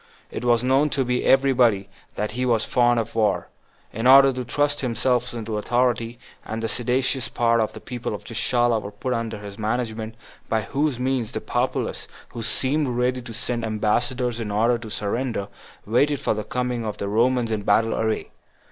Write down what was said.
It was known to every body that he was fond of war, in order to thrust himself into authority; and the seditious part of the people of Gischala were under his management, by whose means the populace, who seemed ready to send ambassadors in order to surrender, waited for the coming of the Romans in battle array.